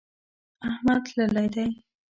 احمد تللی دی.